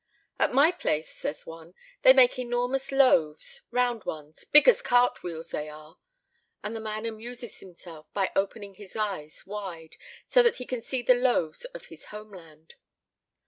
"At my place," says one, "they make enormous loaves, round ones, big as cart wheels they are!" And the man amuses himself by opening his eyes wide, so that he can see the loaves of the homeland.